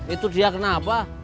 itu dia kenapa